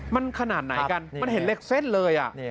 มันขนาดไหนกันมันเห็นเหล็กเส้นเลย